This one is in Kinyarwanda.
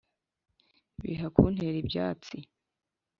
biha kuntera ibyatsi